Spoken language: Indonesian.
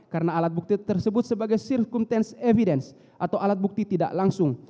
karena alat bukti tersebut sebagai circumstance evidence atau alat bukti tidak langsung